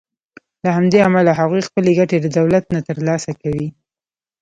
له همدې امله هغوی خپلې ګټې له دولت نه تر لاسه کوي.